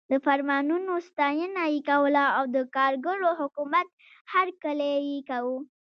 د فرمانونو ستاینه یې کوله او د کارګرو حکومت هرکلی یې کاوه.